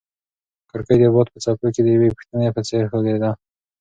کړکۍ د باد په څپو کې د یوې پوښتنې په څېر ښورېده.